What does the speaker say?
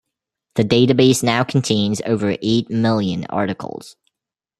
The database now contains over eight million articles.